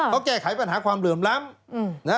เขาแก้ไขปัญหาความเหลื่อมล้ำนะ